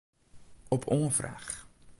Op oanfraach.